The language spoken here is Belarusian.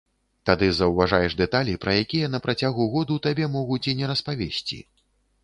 Тады заўважаеш дэталі, пра якія на працягу году табе могуць і не распавесці.